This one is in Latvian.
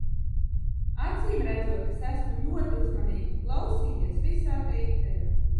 Acīmredzot es esmu ļoti uzmanīgi klausījies visā teiktajā.